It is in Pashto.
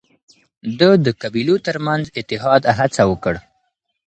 ده د قبيلو ترمنځ اتحاد هڅه وکړ